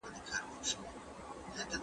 ولي خلګ نجوني د شخړو قرباني کوي؟